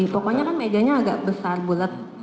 pokoknya kan mejanya agak besar bulat